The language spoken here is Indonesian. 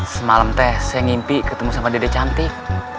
semalam teh saya ngimpi ketemu sama dede cantik